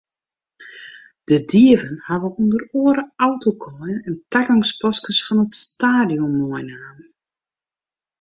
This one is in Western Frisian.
De dieven hawwe ûnder oare autokaaien en tagongspaskes fan it stadion meinaam.